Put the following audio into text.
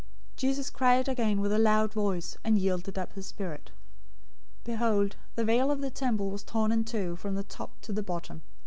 027:050 Jesus cried again with a loud voice, and yielded up his spirit. 027:051 Behold, the veil of the temple was torn in two from the top to the bottom.